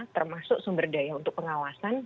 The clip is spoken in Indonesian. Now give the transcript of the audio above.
termasuk sumber daya untuk pengawasan